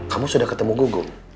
kamu sudah ketemu gugu